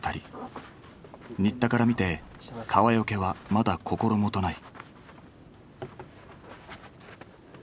新田から見て川除はまだ心もとない。